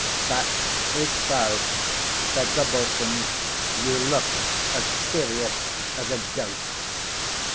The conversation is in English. "That is so," said the boatswain. "You look as serious as a ghost."